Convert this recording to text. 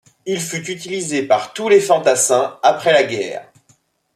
Il fut utilisé par tous les fantassins après la guerre.